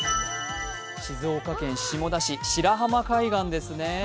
静岡県下田市、白浜海岸ですね。